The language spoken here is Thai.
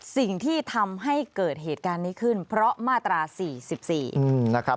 สิ่งที่ทำให้เกิดเหตุการณ์นี้ขึ้นเพราะมาตรา๔๔นะครับ